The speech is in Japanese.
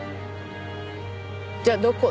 じゃあどこに？